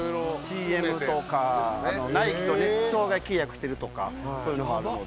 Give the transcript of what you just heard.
ＣＭとかナイキとね生涯契約してるとかそういうのがあるので。